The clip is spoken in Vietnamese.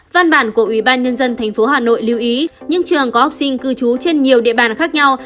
văn bản của ủy ban nhân dân tp hà nội lưu ý những trường có học sinh cư trú trên nhiều địa bàn khác nhau